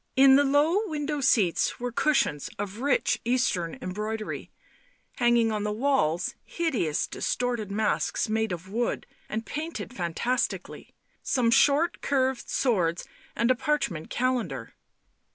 In the low window seats were cushions of rich Eastern embroidery, hanging on the walls, hideous distorted masks made of wood and painted fantastically, some short curved swords, and a parchment calendar.